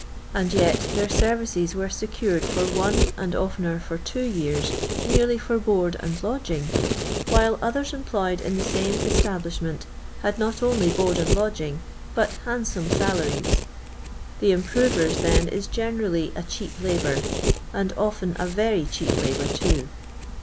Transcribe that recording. And yet their services were secured for one, j and oftener for two years, merely for board and h>dgiiig, while others employed in the same esta I blishment had not only board and lodgivg, but I handsome salaries. The improver's, then, is gene rally a cheap labour, and often a very cheap labour too.